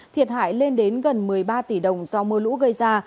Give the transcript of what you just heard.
thiệt hại lên đến gần một mươi ba tỷ đồng do mưa lũ gây ra